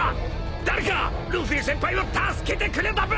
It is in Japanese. ［誰かルフィ先輩を助けてくれだべ！］